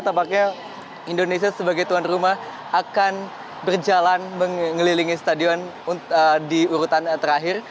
tampaknya indonesia sebagai tuan rumah akan berjalan mengelilingi stadion di urutan terakhir